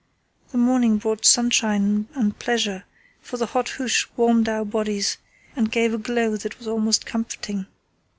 The morning brought sunshine and pleasure, for the hot hoosh warmed our bodies and gave a glow that was most comforting.